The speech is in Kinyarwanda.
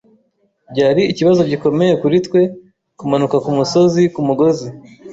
Byari ikibazo gikomeye kuri twe kumanuka kumusozi kumugozi.